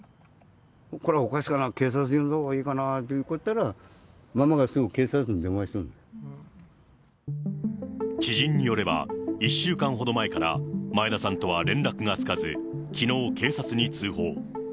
これはおかしいな、警察呼んだほうがいいかなと言ったら、ママがすぐ警察に電話した知人によれば、１週間ほど前から前田さんとは連絡がつかず、きのう、警察に通報。